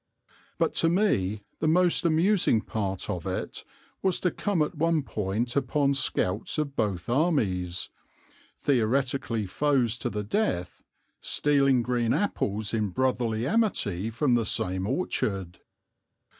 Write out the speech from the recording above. But to me the most amusing part of it was to come at one point upon scouts of both armies, theoretically foes to the death, stealing green apples in brotherly amity from the same orchard.